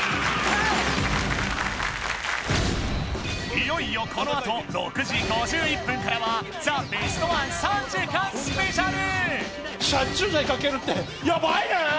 いよいよこのあと６時５１分からはザ・ベストワン３時間スペシャル殺虫剤かけるってやばいねー！